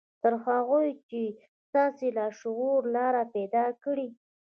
تر هغو چې ستاسې لاشعور ته لاره پيدا کړي.